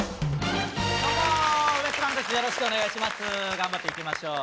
頑張っていきましょう。